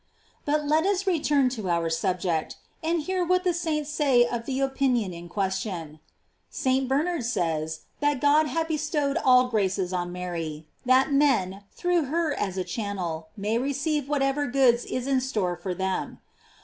"f But let us return to our subject, and hear what the saints say of the opinion in question. St. Bernard says that God had bestowed all graces on Mary, that men, through her as through a channel, may receive whatever goods is in store for them.